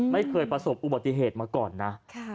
ประสบอุบัติเหตุมาก่อนนะ